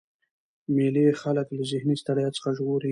مېلې خلک له ذهني ستړیا څخه ژغوري.